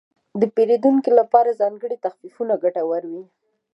د پیرودونکو لپاره ځانګړي تخفیفونه ګټور وي.